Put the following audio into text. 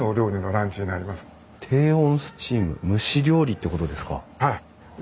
低温スチーム蒸し料理ってことですか？